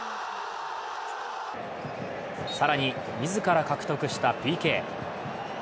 更に、自ら獲得したＰＫ。